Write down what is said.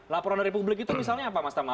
laporan dari publik itu misalnya apa mas tama